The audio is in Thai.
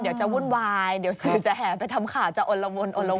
เดี๋ยวจะวุ่นวายเดี๋ยวสื่อจะแห่งไปทำข่าวจะโอนละวงโอนละเวง